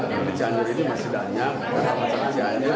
karena di cianjur ini masih banyak warga cianjur